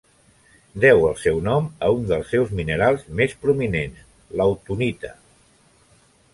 Deu el seu nom a un dels seus minerals més prominents, l'autunita.